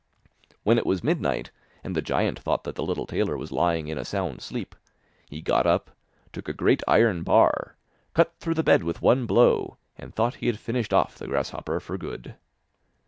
When it was midnight, and the giant thought that the little tailor was lying in a sound sleep, he got up, took a great iron bar, cut through the bed with one blow, and thought he had finished off the grasshopper for good.